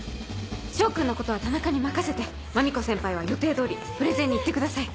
翔君のことは田中に任せてマミコ先輩は予定通りプレゼンに行ってください。